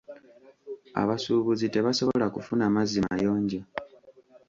Abasuubuzi tebasobola kufuna mazzi mayonjo.